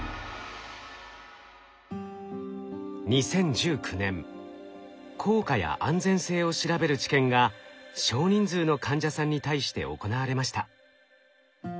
２０１９年効果や安全性を調べる治験が少人数の患者さんに対して行われました。